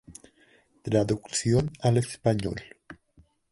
Traducción al español.